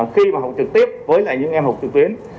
khi mà học trực tiếp với những em học trực tuyến